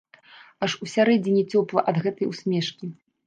Аж усярэдзіне цёпла ад гэтай усмешкі.